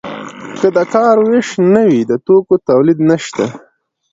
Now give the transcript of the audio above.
که د کار ویش نه وي د توکو تولید نشته.